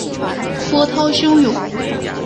波涛汹涌